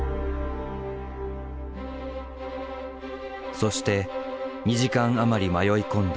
そして２時間余り迷い込んだ